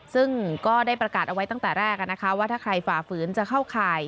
ซึ่งก็ได้ประกาศเอาไว้ตั้งแต่แรกว่าถ้าใครฝ่าฝืนจะเข้าข่าย